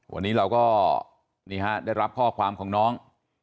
วันนี้เราก็นี่ฮะได้รับข้อความของน้อง